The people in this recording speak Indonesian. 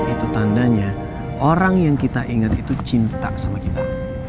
itu tandanya orang yang kita ingat itu cinta sama kita